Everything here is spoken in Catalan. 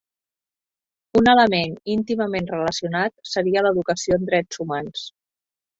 Un element íntimament relacionat seria l'Educació en drets humans.